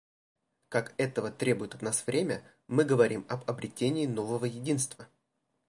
Как этого требует от нас время, мы говорим об обретении нового единства.